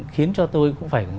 khiến cho tôi cũng phải